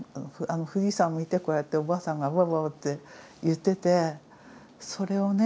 富士山を見てこうやっておばあさんが「わわわ」って言っててそれをね